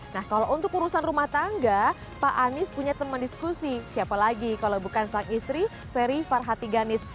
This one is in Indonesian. nah kalau untuk urusan rumah tangga pak anies punya teman diskusi siapa lagi kalau bukan sang istri ferry farhati ganis